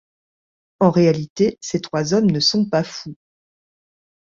En réalité, ces trois hommes ne sont pas fous.